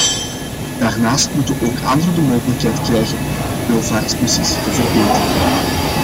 Daarnaast moeten ook anderen de mogelijkheid krijgen hun welvaartspositie te verbeteren.